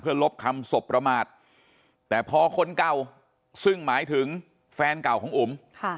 ลบคำสบประมาทแต่พอคนเก่าซึ่งหมายถึงแฟนเก่าของอุ๋ม